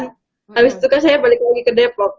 habis itu kan saya balik lagi ke depok